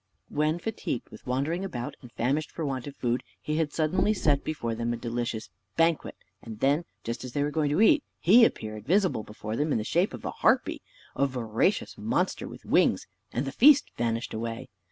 When fatigued with wandering about, and famished for want of food, he had suddenly set before them a delicious banquet, and then, just as they were going to eat, he appeared visible before them in the shape of a harpy, a voracious monster with wings, and the feast vanished away.